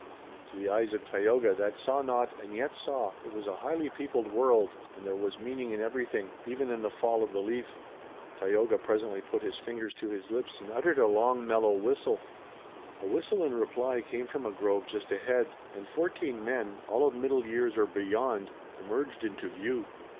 To the eyes of Tayoga that saw not and yet saw, it was a highly peopled world, and there was meaning in everything, even in the fall of the leaf. Tayoga presently put his fingers to his lips and uttered a long mellow whistle. A whistle in reply came from a grove just ahead, and fourteen men, all of middle years or beyond, emerged into view.